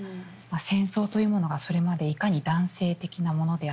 戦争というものがそれまでいかに男性的なものであったか